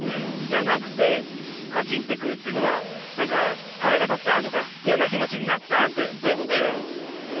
じゃなくてカチンってくるというのはなんかはらがたったとかいやなきもちになったってそういうことよ。